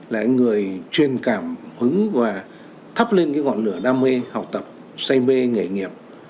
là người chuyên cảm hứng và thắp lên ngọn lửa đam mê học tập say mê nghề nghiệp